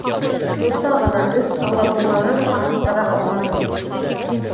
Муса ғына өс алабуғанан арттыра алманы.